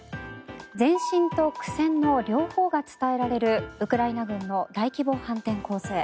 前進と苦戦の両方が伝えられるウクライナ軍の大規模反転攻勢。